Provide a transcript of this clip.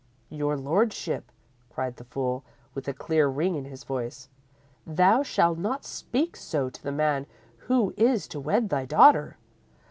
"_ _"Your lordship," cried the fool, with a clear ring in his voice, "thou shall not speak so to the man who is to wed thy daughter.